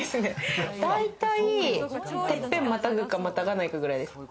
大体てっぺんまたぐか、またがないかくらいです。